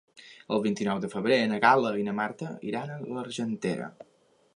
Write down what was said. El vint-i-nou de febrer na Gal·la i na Marta iran a l'Argentera.